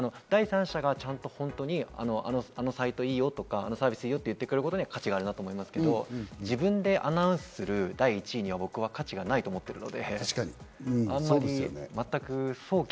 第三者がちゃんと本当に、あのサイトいいよとか、あのサービスいいよと言ってることに価値があると思いますけど、自分でアナウンスする第１位には僕は価値がないと思っています。